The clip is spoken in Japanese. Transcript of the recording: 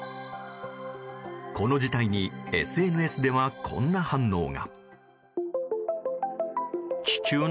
この事態にＳＮＳでは、こんな反応が。